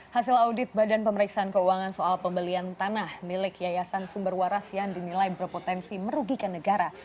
hasil audit badan pemeriksaan keuangan soal pembelian tanah milik yayasan sumber waras yang dinilai berpotensi merugikan negara